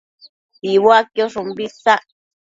Iuaquiosh umbi isac